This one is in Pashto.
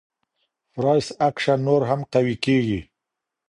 فرایس اکشن نور هم قوي کيږي.